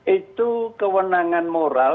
itu kewenangan moral